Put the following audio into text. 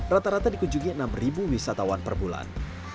rata rata dikunjungi enam wisatawan per bulan